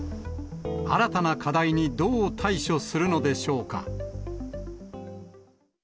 新たな課題にどう対処するのでしょうか。